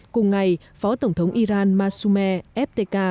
cùng ngày phó tổng thống iran mahzoumeh efteka